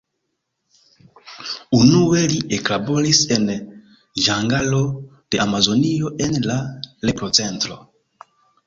Unue li eklaboris en ĝangalo de Amazonio en la lepro-centro.